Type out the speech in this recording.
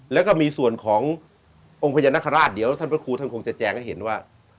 แล้วก็มีส่วนขององค์พญานาคาราชเดี๋ยวท่านพระครูท่านคงจะแจงให้เห็นว่า